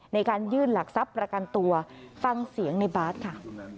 ในการยื่นหลักทรัพย์ประกันตัวฟังเสียงในบาสค่ะ